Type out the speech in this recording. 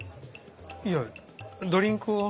いやドリンクを。